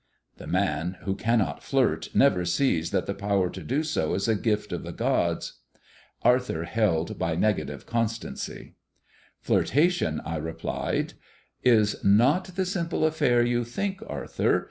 The man who cannot flirt never sees that the power to do so is a gift of the gods. Arthur held by negative constancy. "Flirtation," I replied, "is not the simple affair you think, Arthur.